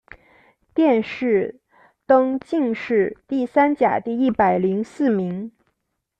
殿试登进士第三甲第一百零四名。